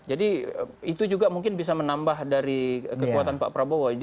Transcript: jadi itu juga mungkin bisa menambah dari kekuatan pak prabowo